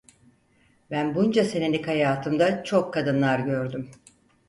Ben bunca senelik hayatımda çok kadınlar gördüm.